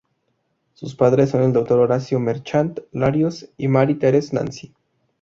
Sus padres son el Dr. Horacio Merchant Larios y Marie Therese Nancy.